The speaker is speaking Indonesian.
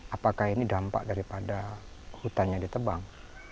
apakah ini dampak daripada hutannya ditebang